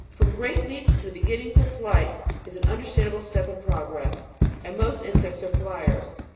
From great leaps to the beginnings of flight is an under standable step in progress, and most insects are fliers.